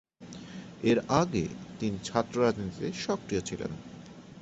এর আগে তিনি ছাত্র রাজনীতিতে সক্রিয় ছিলেন।